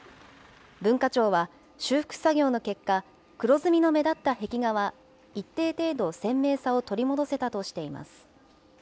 文化庁は、修復作業の結果、黒ずみの目立った壁画は一定程度、鮮明さを取り戻せたとしています。